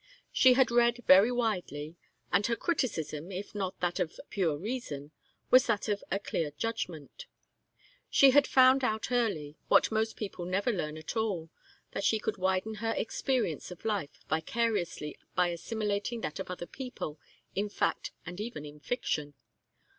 She had read very widely, and her criticism, if not that of pure reason, was that of a clear judgment. She had found out early what most people never learn at all, that she could widen her experience of life vicariously by assimilating that of other people, in fact and even in fiction.